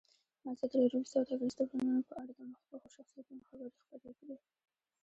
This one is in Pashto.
ازادي راډیو د سوداګریز تړونونه په اړه د مخکښو شخصیتونو خبرې خپرې کړي.